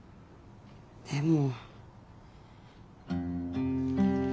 でも。